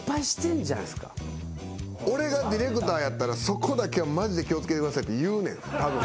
俺がディレクターやったら「そこだけはマジで気を付けてください」って言うねんたぶん。